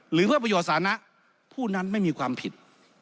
หรือเพื่อประโยชน์สานะผู้นั้นไม่มีความผิด